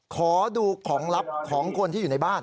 ขอดูของลับของคนที่อยู่ในบ้าน